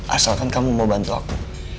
asalkan kamu mau bantu aku